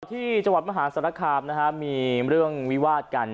ที่จังหวัดมหาศาลคามนะฮะมีเรื่องวิวาดกัน